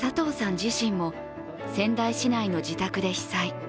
自身も仙台市内の自宅で被災。